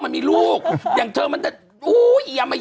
มันมีลูกอย่างเธอมันถึงอู้ย